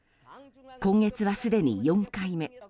今月はすでに４回目。